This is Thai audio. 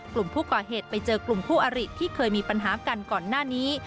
กลุ่มผู้ก่อเหตุไปเจอกลุ่มคู่อริที่เคยมีปัญหากันก่อนหน้านี้